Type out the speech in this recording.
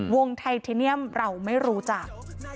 ไทเทเนียมเราไม่รู้จัก